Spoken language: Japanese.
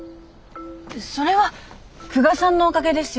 それは久我さんのおかげですよ。